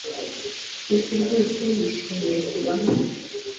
Chris rwose yishimiye kuba hano